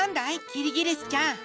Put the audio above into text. キリギリスちゃん。